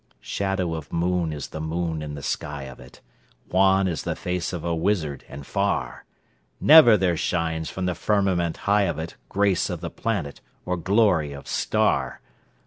Shadow of moon is the moon in the sky of it—Wan as the face of a wizard, and far! Never there shines from the firmament high of itGrace of the planet or glory of star.